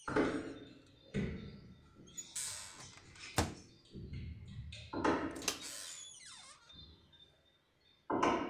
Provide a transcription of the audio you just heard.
Hay muchas especies en peligro de extinción.